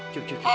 cuk cuk cuk